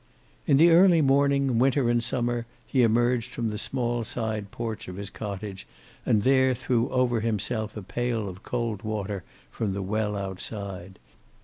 In the early morning, winter and summer, he emerged into the small side porch of his cottage and there threw over himself a pail of cold water from the well outside.